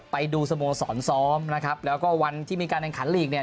ไปดูสโมสรซ้อมนะครับแล้วก็วันที่มีการแข่งขันลีกเนี่ย